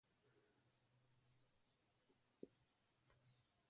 Their gastrulation is often considered the archetype for invertebrate deuterostomes.